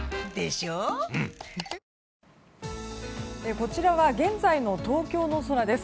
こちらは現在の東京の空です。